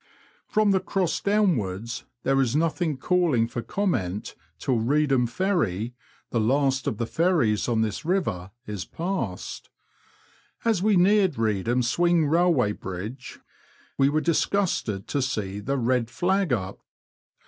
15 From the Cross downwards there is nothing calling for comment till Reedham Ferry, the last of the ferries on this river, is passed. As we neared Reedham swing railway bridge, we were disgusted to see the red flag up.